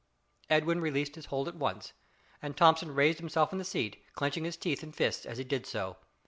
Edwin released his hold at once, and Thomson raised himself in the seat, clenching his teeth and fists as he did so.